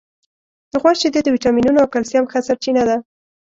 د غوا شیدې د وټامینونو او کلسیم ښه سرچینه ده.